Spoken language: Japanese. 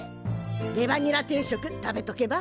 レバニラ定食食べとけば？